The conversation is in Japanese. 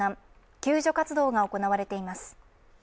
救助活動が行われています。